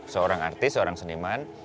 seorang artis seorang seniman